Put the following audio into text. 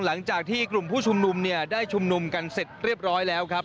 หลังจากที่กลุ่มผู้ชุมนุมเนี่ยได้ชุมนุมกันเสร็จเรียบร้อยแล้วครับ